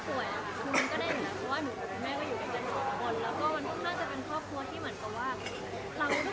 ก็รับรู้ปัญหากันและการทำให้หนูสามารถเข้าใจปัญหาและความรู้สึกของคุณแม่ได้มากขึ้น